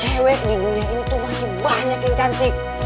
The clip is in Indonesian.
cewek di dunia ini tuh masih banyak yang cantik